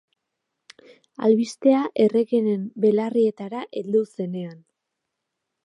Albistea erregeren belarrietara heldu zenean.